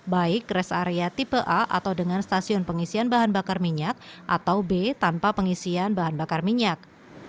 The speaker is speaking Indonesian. baik res area tipe a atau dengan stasiun pengisian bahan bakar minyak atau b tanpa pengisian bahan bakar minyak